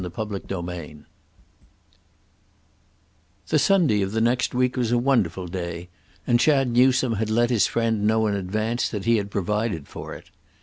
_" Book Fifth I The Sunday of the next week was a wonderful day, and Chad Newsome had let his friend know in advance that he had provided for it.